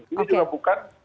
ini juga bukan